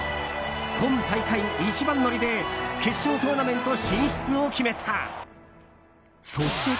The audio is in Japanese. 今大会一番乗りで決勝トーナメント進出を決めた。